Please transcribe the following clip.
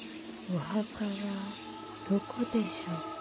・お墓はどこでしょうか。